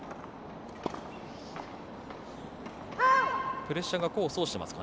プレッシャーが功を奏してますか。